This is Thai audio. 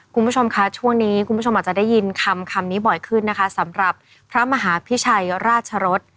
คุณผู้ชมคะช่วงนี้คุณผู้ชมอาจจะได้ยินคำนี้บ่อยขึ้นนะคะสำหรับพระมหาพิชัยราชรส